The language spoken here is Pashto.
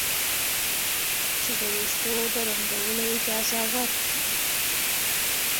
چې د ویښتو د رنګولو اجازه ورکړي.